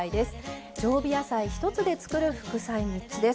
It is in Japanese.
常備野菜１つでつくる副菜３つです。